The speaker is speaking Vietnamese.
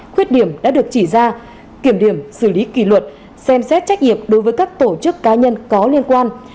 khuyết điểm đã được chỉ ra kiểm điểm xử lý kỷ luật xem xét trách nhiệm đối với các tổ chức cá nhân có liên quan